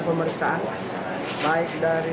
pemeriksaan baik dari